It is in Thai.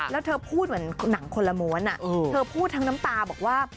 แล้วเธอพูดเหมือนหนังคนละม้วนเธอพูดทั้งน้ำตาบอกว่า